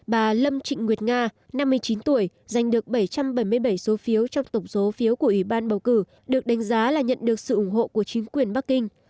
bà lâm trịnh nguyệt nga năm mươi chín tuổi giành được bảy trăm bảy mươi bảy số phiếu trong tổng số phiếu của ủy ban bầu cử được đánh giá là nhận được sự ủng hộ của chính quyền bắc kinh